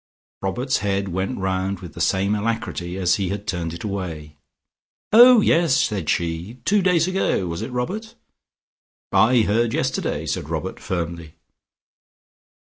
Robert's head went round with the same alacrity as he had turned it away. "Oh, yes," said she. "Two days ago was it, Robert?" "I heard yesterday," said Robert firmly.